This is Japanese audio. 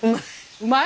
うまい？